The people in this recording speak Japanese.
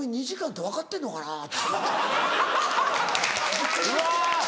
「２時間って分かってるのかな」